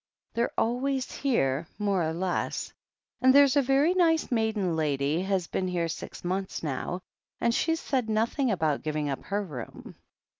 They're always here, more or less. And there's a very nice maiden lady has been here six months now, and she's said nothing about giving up her room.